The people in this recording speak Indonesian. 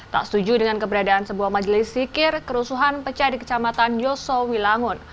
tak setuju dengan keberadaan sebuah majelis zikir kerusuhan pecah di kecamatan yosowi langun